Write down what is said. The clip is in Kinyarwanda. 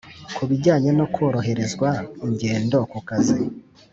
Ku Bijyanye No Kworoherezwa Ingendo Ku Kazi